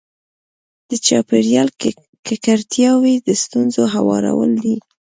د چاپېریال ککړتیاوې د ستونزو هوارول دي.